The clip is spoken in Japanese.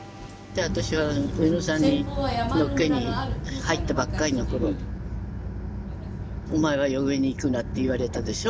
私は宇野さんにのっけに入ったばっかりの頃「おまえは嫁に行くな」って言われたでしょ。